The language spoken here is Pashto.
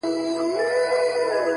o ه تا خو تل تر تله په خپگان کي غواړم؛